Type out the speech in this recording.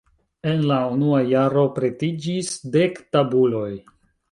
En la unua jaro pretiĝis dek tabuloj.